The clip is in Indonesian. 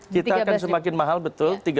kita akan semakin mahal betul